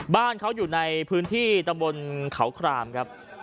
บ้านเขาอยู่ในพื้นที่ตำบลเขาครามครับ